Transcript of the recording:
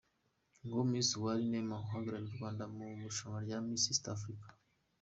Nguwo Miss Umwali Neema uhagarariye u Rwanda mu marushanwa ya Miss East Africa.